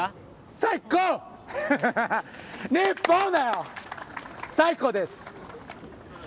最高です！